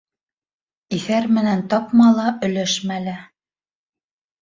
Иҫәр менән тапма ла, өләшмә лә.